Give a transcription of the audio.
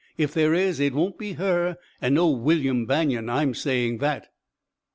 "If there is it won't be her and no William Banion, I'm saying that."